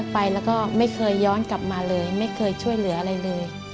ไปแล้วก็ไม่เคยย้อนกลับมาเลยไม่เคยช่วยเหลืออะไรเลย